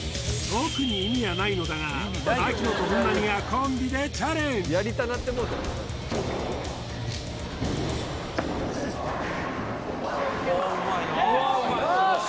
特に意味はないのだが槙野と本並がコンビでチャレンジよーし